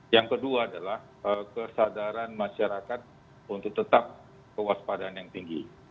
yang kedua adalah kesadaran masyarakat untuk tetap kewaspadaan yang tinggi